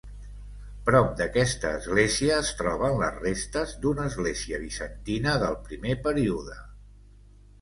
Prop d'aquesta església es troben les restes d'una església bizantina del primer període.